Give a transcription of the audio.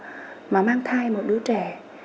để đủ sức mà mang thai một đứa trẻ